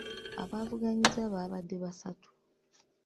Abavuganyizza babadde basatu .